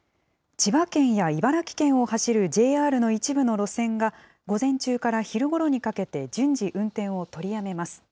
千葉県や茨城県を走るＪＲの一部の路線が、午前中から昼ごろにかけて、順次運転を取りやめます。